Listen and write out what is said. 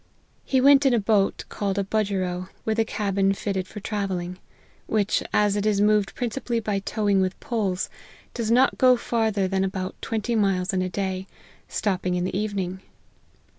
He went in a boat called a budgerow, with a cabin fitted for travelling; which, as it is moved principal y by towing with poles, does not go farther than about twenty miles in a day, stopping in the even ing.